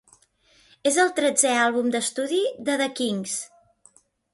És el tretzè àlbum d'estudi de The Kinks.